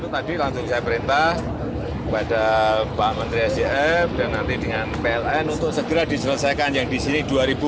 tadi langsung saya perintah kepada pak menteri sjf dan nanti dengan pln untuk segera diselesaikan yang disini dua